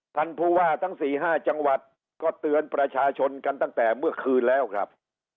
ท่านผู้ว่าทั้ง๔๕จังหวัดก็เตือนประชาชนกันตั้งแต่เมื่อคืนแล้วครับ